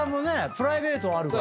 プライベートあるからね。